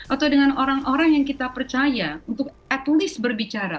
atau dengan orang orang yang kita percaya untuk at least berbicara